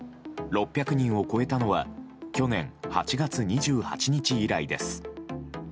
６００人を超えたのは去年８月２８日以来です。